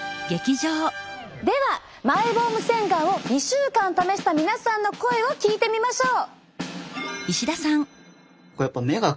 ではマイボーム洗顔を２週間試した皆さんの声を聞いてみましょう！